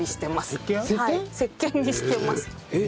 石けんにしてます。